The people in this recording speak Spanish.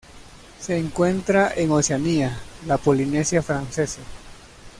Se encuentra en Oceanía: la Polinesia Francesa.